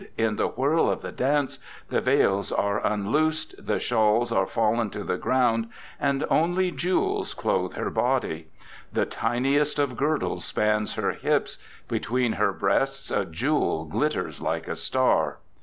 In the whirl of the dance the veils are unloosed, the shawls are fallen to the ground, and only jewels clothe her body. The tiniest of girdles spans her hips; between her breasts a jewel glitters like a star.